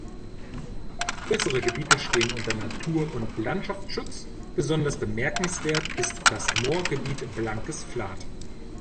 Größere Gebiete stehen unter Natur- und Landschaftsschutz; besonders bemerkenswert ist das Moorgebiet "Blankes Flat".